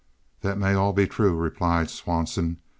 "That may all be true," replied Swanson.